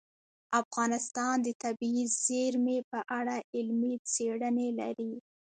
افغانستان د طبیعي زیرمې په اړه علمي څېړنې لري.